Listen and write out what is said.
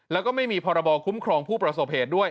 แล้วก็ไม่มีพรบคุ้มครองผู้ประสบเหตุด้วย